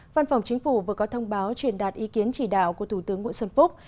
văn phòng chính phủ vừa có thông báo truyền đạt ý kiến chỉ đạo của thủ tướng nguyễn xuân phúc